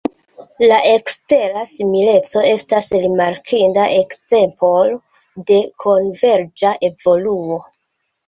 La ekstera simileco estas rimarkinda ekzemplo de konverĝa evoluo.